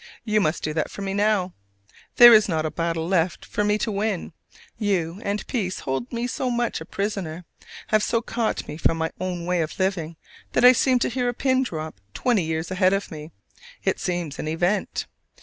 You must do that for me now! There is not a battle left for me to win. You and peace hold me so much a prisoner, have so caught me from my own way of living, that I seem to hear a pin drop twenty years ahead of me: it seems an event!